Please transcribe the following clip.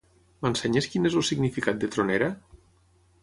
M'ensenyes quin és el significat de tronera?